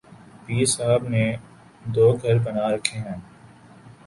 پیر صاحب نے دوگھر بنا رکھے ہیں۔